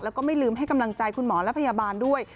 แล้วก็ไม่ลืมให้กำลังใจคุณหมอและพยาบาลด้วย